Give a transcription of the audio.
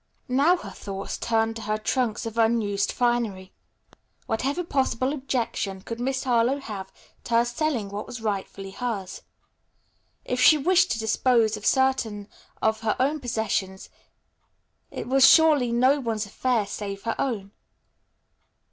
Now her thoughts turned to her trunks of unused finery. What possible objection could Miss Harlowe have to her selling what was rightfully hers? If she wished to dispose of certain of her own possessions it was surely no one's affair save her own.